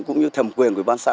cũng như thẩm quyền của ủy ban xã